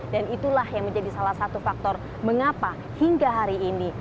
dan itulah yang menjadi salah satu faktor mengapa hingga hari ini